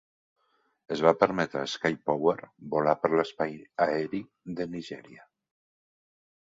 Es va permetre a Skypower volar per l'espai aeri de Nigèria.